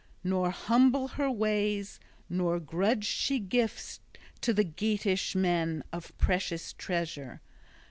Nor humble her ways, nor grudged she gifts to the Geatish men, of precious treasure.